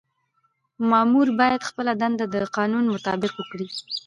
مامور باید خپله دنده د قانون مطابق وکړي.